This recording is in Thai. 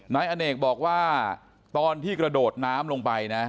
นายอเนกบอกว่าตอนที่กระโดดน้ำลงไปนะ